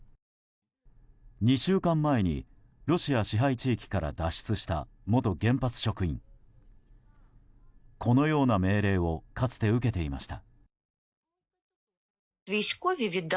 ２週間前にロシア支配地域から脱出した元原発職員このような命令をかつて受けていました。